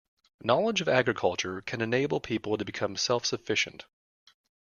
Knowledge of agriculture can enable people to become self-sufficient.